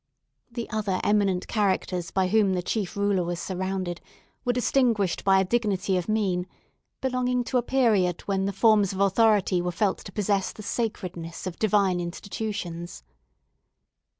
The other eminent characters by whom the chief ruler was surrounded were distinguished by a dignity of mien, belonging to a period when the forms of authority were felt to possess the sacredness of Divine institutions.